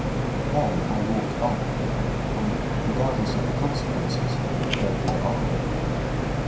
Then I walked back, and, regardless of the consequences, gave the alarm.